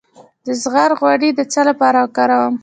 د زغر غوړي د څه لپاره وکاروم؟